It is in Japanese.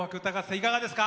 いかがですか？